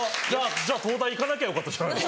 じゃあ東大行かなきゃよかったじゃん。